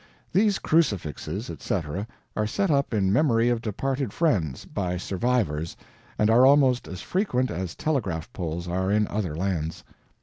These crucifixes, etc., are set up in memory of departed friends, by survivors, and are almost as frequent as telegraph poles are in other lands.